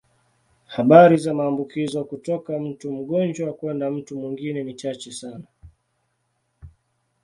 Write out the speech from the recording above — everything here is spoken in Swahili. Habari za maambukizo kutoka mtu mgonjwa kwenda mtu mwingine ni chache sana.